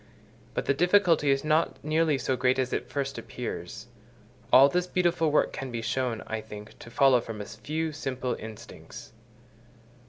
But the difficulty is not nearly so great as at first appears: all this beautiful work can be shown, I think, to follow from a few simple instincts.